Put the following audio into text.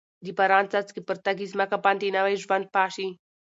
د باران څاڅکي پر تږې ځمکه باندې نوي ژوند پاشي.